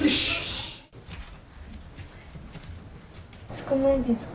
少ないですか？